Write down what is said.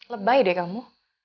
lebay deh kamu